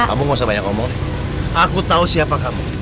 kamu gak usah banyak ngomong aku tahu siapa kamu